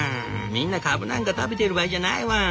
みんなカブなんか食べてる場合じゃないワン。